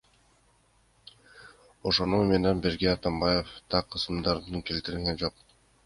Ошону менен бирге Атамбаев так ысымдарды келтирген жок.